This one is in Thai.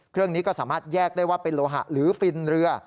เครื่องนี้ก็สามารถแยกได้ว่าเป็นโลหะหรือฟินเรือ